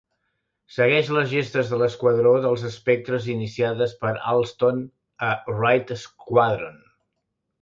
Segueix les gestes de l'Esquadró dels Espectres iniciades per Allston a "Wraith Squadron".